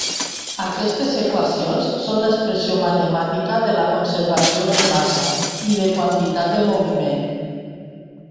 Aquestes equacions són l'expressió matemàtica de la conservació de massa i de quantitat de moviment.